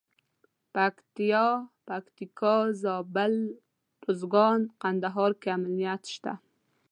پکتیا، پکتیکا، زابل، روزګان او کندهار کې امنیت شته.